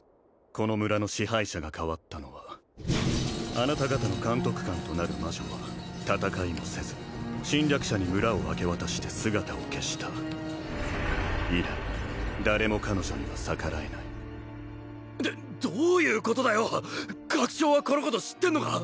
この村の支配者が変わったのはあなた方の監督官となる魔女は戦いもせず侵略者に村を明け渡して姿を消した以来誰も彼女には逆らえないどどういうことだよ学長はこのこと知ってんのか？